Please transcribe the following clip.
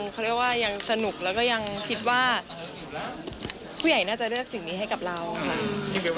เขาเรียกว่ายังสนุกแล้วก็ยังคิดว่าผู้ใหญ่น่าจะเลือกสิ่งนี้ให้กับเราค่ะ